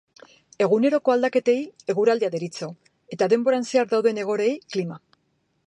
Eguneroko aldaketei eguraldia deritzo eta denboran zehar dauden egoerei klima.